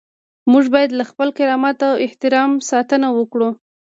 موږ باید له خپل کرامت او احترام ساتنه وکړو.